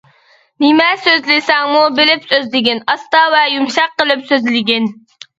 نېمە سۆزلىسەڭمۇ بىلىپ سۆزلىگىن، ئاستا ۋە يۇمشاق قىلىپ سۆزلىگىن.